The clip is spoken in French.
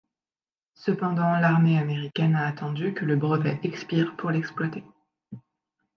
Cependant, l'armée américaine a attendu que le brevet expire pour l'exploiter.